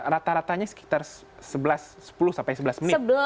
rata ratanya sekitar sepuluh sampai sebelas menit